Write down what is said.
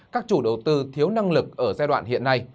các chủ đầu tư thiếu năng lực ở giai đoạn hiện nay